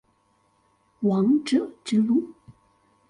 王者之路